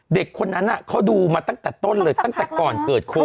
เด็กคนนั้นเขาดูมาตั้งแต่ต้นเลยตั้งแต่ก่อนเกิดโควิด